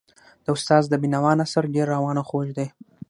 د استاد د بینوا نثر ډېر روان او خوږ دی.